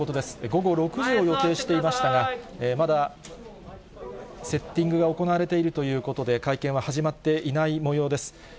午後６時を予定していましたが、まだセッティングが行われているということで、会見は始まっていないもようです。